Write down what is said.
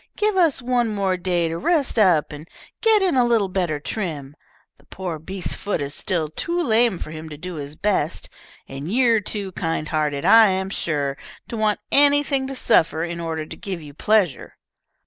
Give us one more day to rest up and get in a little better trim. The poor beast's foot is still too lame for him to do his best, and you're too kind hearted, I am sure, to want anything to suffer in order to give you pleasure."